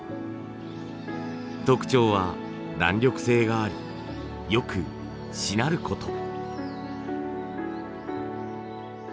特徴は弾力性がありよくしなること。